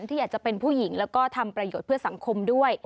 ที่อยากจะเป็นผู้หญิงแล้วก็ทำประโยชน์เพื่อสังคมด้วย